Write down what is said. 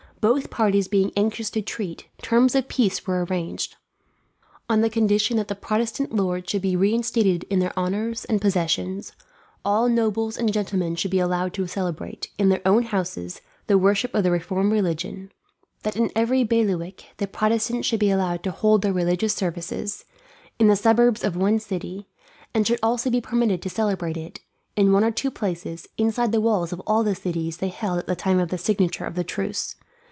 Both parties being anxious to treat, terms of peace were arranged; on the condition that the Protestant lords should be reinstated in their honours and possessions; all nobles and gentlemen should be allowed to celebrate, in their own houses, the worship of the reformed religion; that in every bailiwick the Protestants should be allowed to hold their religious services, in the suburbs of one city, and should also be permitted to celebrate it, in one or two places, inside the walls of all the cities they held at the time of the signature of the truce.